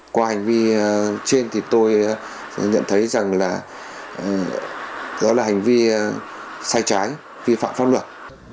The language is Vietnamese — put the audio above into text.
qua hành vi trên thì tôi nhận thấy rằng là đó là hành vi sai trái vi phạm pháp luật